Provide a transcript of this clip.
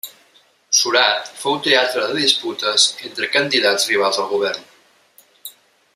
Surat fou teatre de disputes entre candidats rivals al govern.